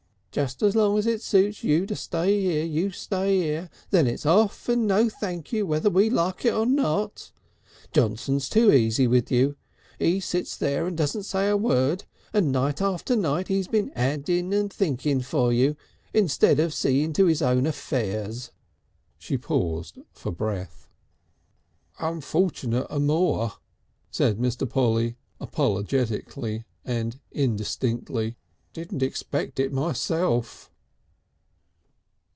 Just as long as it suits you to stay 'ere you stay 'ere, and then it's off and no thank you whether we like it or not. Johnson's too easy with you. 'E sits there and doesn't say a word, and night after night 'e's been addin' and thinkin' for you, instead of seeing to his own affairs " She paused for breath. "Unfortunate amoor," said Mr. Polly, apologetically and indistinctly. "Didn't expect it myself."